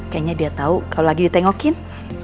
kayaknya dia tahu kalau lagi ditengokin